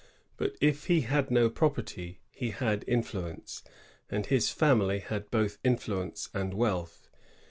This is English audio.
But if he had no property he had influence, and his family had both influence and wealth.